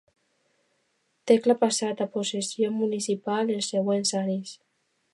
Tecla, passant a possessió municipal els següents anys.